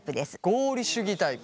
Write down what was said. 合理主義タイプ。